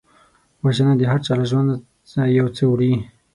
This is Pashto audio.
وژنه د هرچا له ژونده یو څه وړي